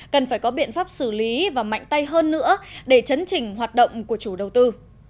cần phải có biện pháp xử lý và mạnh tay hơn nữa để chấn chỉnh hoạt động của chủ đầu tư